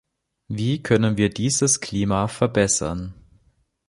Wie können wir dieses Klima verbessern?